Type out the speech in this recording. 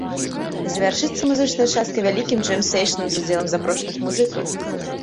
Завяршыцца музычная частка вялікім джэм-сэйшнам з удзелам запрошаных музыкаў.